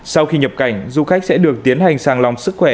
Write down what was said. sau khi nhập cảnh du khách sẽ được tiến hành sang lòng sức khỏe